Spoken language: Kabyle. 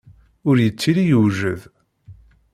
Ur yettili yewjed.